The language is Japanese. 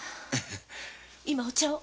今お茶を。